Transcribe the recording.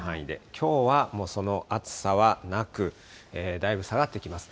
きょうはもうその暑さはなく、だいぶ下がってきます。